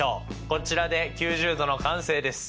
こちらで９０°の完成です！